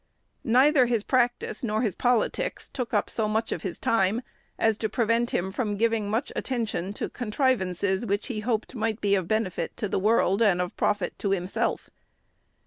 Neither his practice nor his politics took up so much of his time as to prevent him from giving much attention to contrivances which he hoped might be of benefit to the world, and of profit to himself.